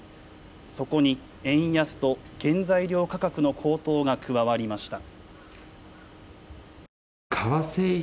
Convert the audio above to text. そこに円安と原材料価格の高騰が加わりました。